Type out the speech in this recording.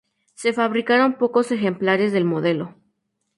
Se fabricaron pocos ejemplares del modelo.